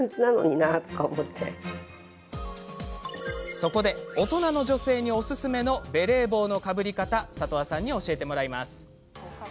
そこで大人の女性におすすめのベレー帽のかぶり方里和さんに教えてもらいます。